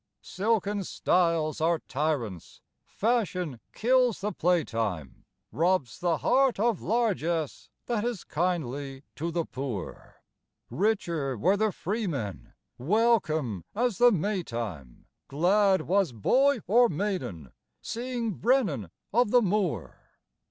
Silken styles are tyrants, fashion kills the playtime, Robs the heart of largess that is kindly to the poor, Richer were the freemen, welcome as the Maytime, Glad was boy or maiden, seeing Brennan of the moor.